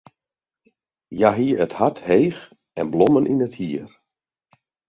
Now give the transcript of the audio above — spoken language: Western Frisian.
Hja hie it hart heech en blommen yn it hier.